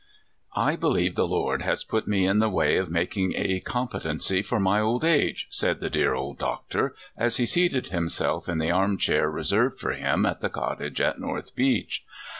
I BELIEVE the Lord has put me in the way of making a competency for my old age," said the dear old Doctor, as he seated himself in the arm chair reserved for him at the cottage at North Beach.